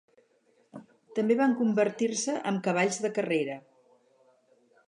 També van convertir-se en cavalls de carrera.